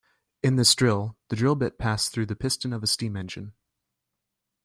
In this drill, the drill bit passed through the piston of a steam engine.